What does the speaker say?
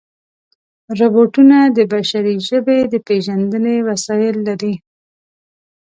روبوټونه د بشري ژبې د پېژندنې وسایل لري.